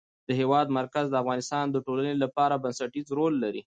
د هېواد مرکز د افغانستان د ټولنې لپاره بنسټيز رول لري.